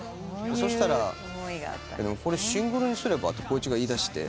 そしたらこれシングルにすればって光一が言いだして。